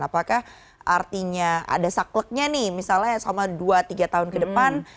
apakah artinya ada sakleknya nih misalnya selama dua tiga tahun ke depan